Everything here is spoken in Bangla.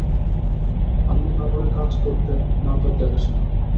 আম্মু না পারে কাজ করতে না তোর দেখাশোনা।